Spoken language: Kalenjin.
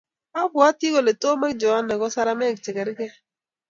Apwati ale tom ak johana ko saramek che karkei